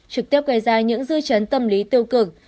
trực tiếp gây ra những dư chấn tâm lý tiêu cực